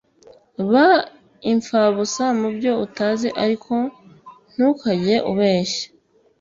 Ba impfabusa mubyo utazi ariko ntukage ubeshya